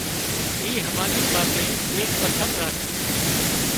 اِي هماۮي ماٿي ايڪ پٿر راڇو